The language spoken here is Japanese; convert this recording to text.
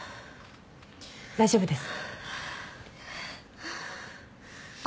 大丈夫です。